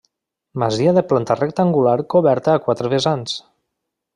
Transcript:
Masia de planta rectangular coberta a quatre vessants.